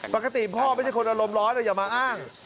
ปกติพ่อไม่ใช่คนอารมณ์ร้อนแต่อย่ามาอ้าง